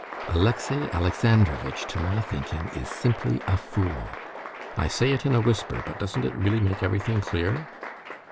Alexey Alexandrovitch, to my thinking, is simply a fool. I say it in a whisper ... but doesn't it really make everything clear?